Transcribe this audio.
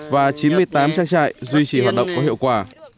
và chín mươi tám trang trại duy trì hoạt động có hiệu quả